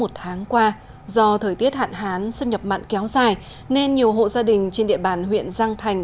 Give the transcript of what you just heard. một tháng qua do thời tiết hạn hán xâm nhập mặn kéo dài nên nhiều hộ gia đình trên địa bàn huyện giang thành